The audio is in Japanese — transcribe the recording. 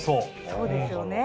そうですよね。